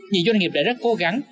nhiều doanh nghiệp đã rất cố gắng